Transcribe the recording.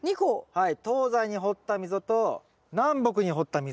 はい。